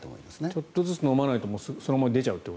ちょっとずつ飲まないとそのまま出ちゃうと。